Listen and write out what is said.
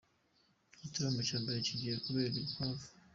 Igitaramo cya mbere kigiye kubera i Bukavu.